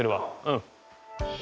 うん。